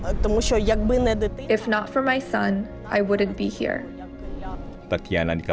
jadi kamu akan tinggal di kiev jika bukan untuk anakmu